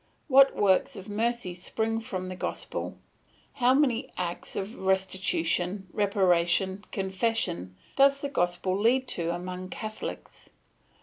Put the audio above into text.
What works of mercy spring from the gospel! How many acts of restitution, reparation, confession does the gospel lead to among Catholics!